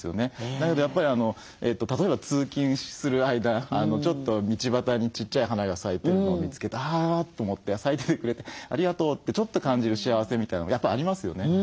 だけどやっぱり例えば通勤する間ちょっと道端にちっちゃい花が咲いてるのを見つけてあと思って咲いててくれてありがとうってちょっと感じる幸せみたいなのもやっぱありますよね。